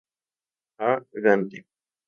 A. Gante.